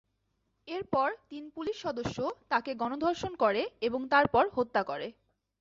এরপর তিন পুলিশ সদস্য তাকে গণধর্ষণ করে এবং তারপর হত্যা করে।